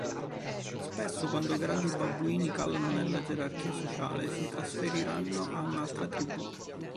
Spesso, quando grandi babbuini calano nella gerarchia sociale, si trasferiranno a un'altra tribù.